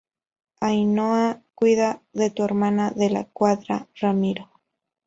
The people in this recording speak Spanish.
Ainhoa, cuida de tu hermana. de la Cuadra, Ramiro